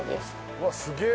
うわっすげえ！